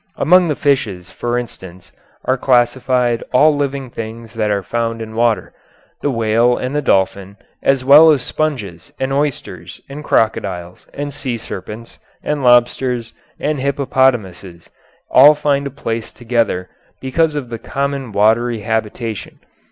Among the fishes, for instance, are classed all living things that are found in water. The whale and the dolphin, as well as sponges, and oysters, and crocodiles, and sea serpents, and lobsters, and hippopotamuses, all find a place together, because of the common watery habitation.